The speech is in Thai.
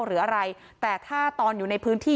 หรืออะไรแต่ถ้าตอนอยู่ในพื้นที่